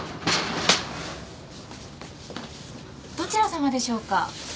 どちらさまでしょうか？